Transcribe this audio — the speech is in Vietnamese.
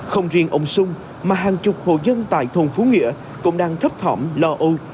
không riêng ông xuân mà hàng chục hồ dân tại thùng phú nghĩa cũng đang thấp thỏm lo âu